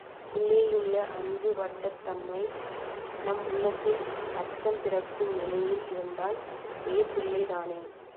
உள்ளேயுள்ள அஞ்சு வட்டத்தம்மை நம் உள்ளத்தில் அச்சம் பிறக்கும் நிலையில் இருந்தால் வியப்பில்லைதானே.